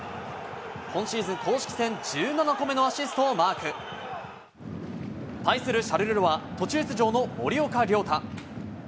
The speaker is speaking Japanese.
今シーズン、公式戦１７個目のアシストをマーク。対するシャルルロワ、途中出場の森岡亮太。